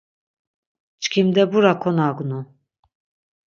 Çkimdebura konagnu.